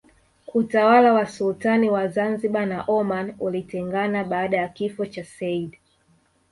Utawala wa Sultan wa Zanzibar na Oman ulitengana baada ya kifo cha Seyyid